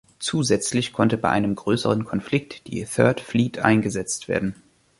Zusätzlich konnte bei einem größeren Konflikt die Third Fleet eingesetzt werden.